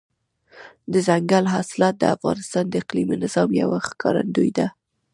دځنګل حاصلات د افغانستان د اقلیمي نظام یوه لویه ښکارندوی ده.